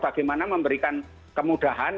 bagaimana memberikan kemudahan